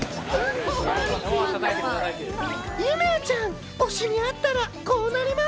ユメアちゃん、推しに会ったらこうなります。